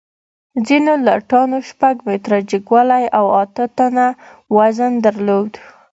ځینو لټانو شپږ متره جګوالی او اته ټنه وزن درلود.